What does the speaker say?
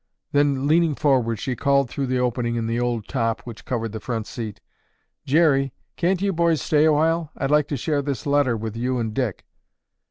Then leaning forward, she called through the opening in the old top which covered the front seat, "Jerry, can't you boys stay awhile? I'd like to share this letter with you and Dick."